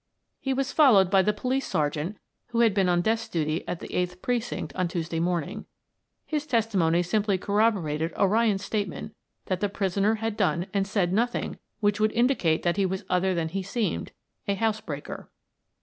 He was followed by the police sergeant who had been on desk duty at the Eighth Precinct on Tuesday morning. His testimony simply corroborated O'Ryan's statement that the prisoner had done and said nothing which would indicate that he was other than he seemed a housebreaker.